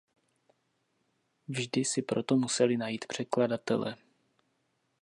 Vždy si proto museli najít překladatele.